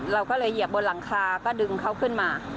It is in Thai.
เราก็เลยเหยียบบนหลังคาก็ดึงเขาขึ้นมา